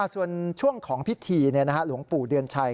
ส่วนช่วงของพิธีหลวงปู่เดือนชัย